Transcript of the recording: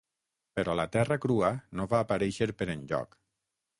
Però la terra crua no va aparèixer per enlloc.